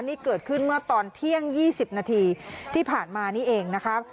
นี่เกิดขึ้นเมื่อตอนเที่ยง๒๐นาทีที่ผ่านมานี่เองนะครับ